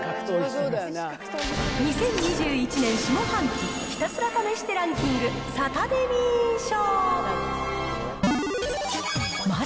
２０２１年下半期、ひたすら試してランキング、サタデミー賞。